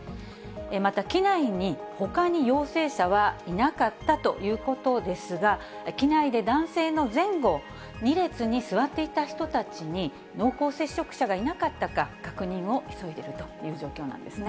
また機内に、ほかに陽性者はいなかったということですが、機内で男性の前後２列に座っていた人たちに、濃厚接触者がいなかったか、確認を急いでいるという状況なんですね。